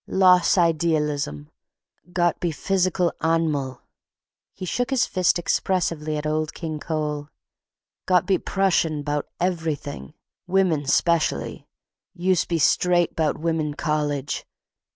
Los' idealism, got be physcal anmal," he shook his fist expressively at Old King Cole, "got be Prussian 'bout ev'thing, women 'specially. Use' be straight 'bout women college.